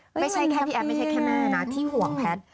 ไม่ใช่แค่พี่แอฟไม่ใช่แค่แม่นะที่ห่วงแพทย์